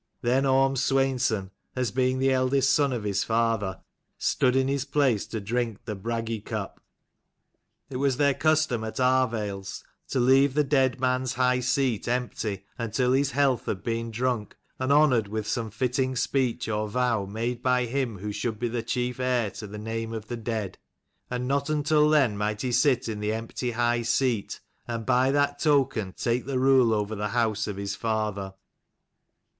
Then Orm Sweinson, as being the eldest son of his father, stood in his place to drink the Bragi cup. It was their custom at Arvales to leave the dead 155 man's high seat empty until his health had been drunk, and honoured with some fitting speech or vow made by him who should be the chief heir to the name of the dead: and not until then might he sit in the empty high seat, and by that token take the rule over the house of his father.